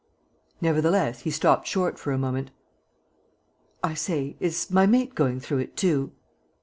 Nevertheless, he stopped short for a moment: "I say, is my mate going through it too?"